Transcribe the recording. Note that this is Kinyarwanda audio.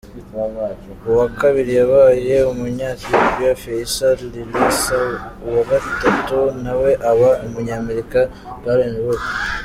Uwa kabiri yabaye Umunyethiopia Feyisa Lilesa uwa gatatu nawe aba Umunyamerika Galen Rupp.